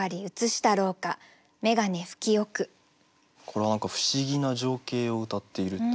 これは何か不思議な情景をうたっている。